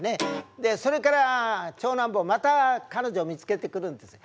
でそれから長男坊また彼女を見つけてくるんですよ。